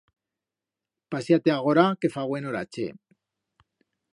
Pasia-te agora que fa buen orache.